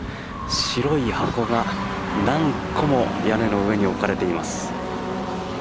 白い箱が何個も屋根の上に置かれています。